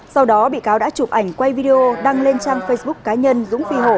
sau đó bị cáo đã chụp ảnh quay video đăng lên trang facebook cá nhân dũng phi hổ